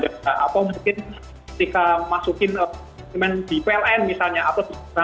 atau mungkin ketika memasuki instrument di pln misalnya atau di bankan